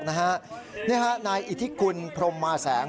นี่ฮะนายอิทธิกุลพรมมาแสง